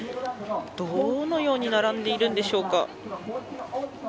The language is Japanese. どのように並んでいるんでしょうか。